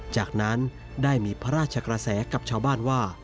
จากนั้นได้มีพระราชกระแสกับชาวบ้านว่า